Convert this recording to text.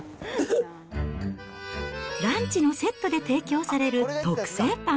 ランチのセットで提供される特製パン。